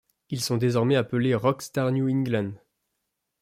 Ils sont désormais appelés Rockstar New England.